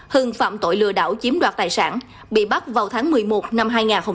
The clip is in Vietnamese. hưng phạm tội lừa đảo chiếm đoạt tài sản bị bắt vào tháng một mươi một năm hai nghìn hai mươi ba